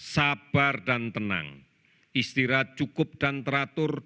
sabar dan tenang istirahat cukup dan teratur